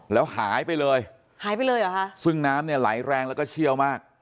แล้วหายไปเลยซึ่งน้ำเนี่ยไหลแรงแล้วก็เชี่ยวมาก